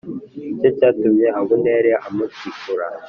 Ni cyo cyatumye Abuneri amutikura